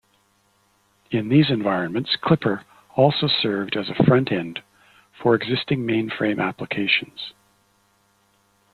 In these environments Clipper also served as a front end for existing mainframe applications.